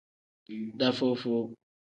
Dafuu-fuu.